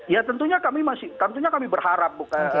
ya tentunya kami masih tentunya kami berharap